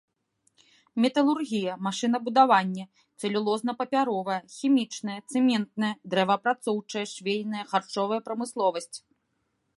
Металургія, машынабудаванне, цэлюлозна-папяровая, хімічная, цэментная, дрэваапрацоўчая, швейная, харчовая прамысловасць.